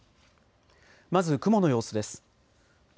まず雲の様子です。